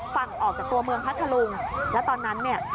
ฝั่งออกจากตัวเมืองพัทธลุงแล้วตอนนั้นเนี่ย